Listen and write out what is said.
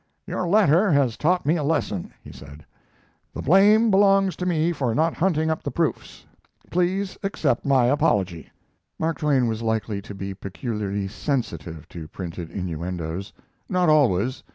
"Your letter has taught me a lesson," he said. "The blame belongs to me for not hunting up the proofs. Please accept my apology." Mark Twain was likely to be peculiarly sensitive to printed innuendos. Not always.